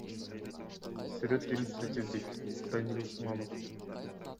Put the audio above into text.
Сүрөт иллюстративдик, Даниль Усманов.